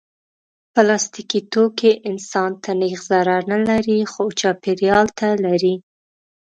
پلاستيکي توکي انسان ته نېغ ضرر نه لري، خو چاپېریال ته لري.